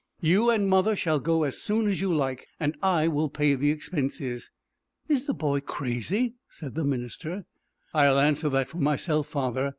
You and mother shall go as soon as you like, and I will pay the expenses." "Is the boy crazy?" said the minister. "I'll answer that for myself, father.